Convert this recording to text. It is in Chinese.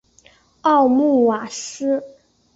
沃穆瓦斯。